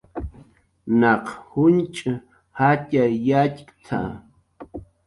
"Naq junch' jatxay yatxk""t""a"